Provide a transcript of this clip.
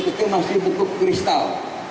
sabu ini masih bentuk kristal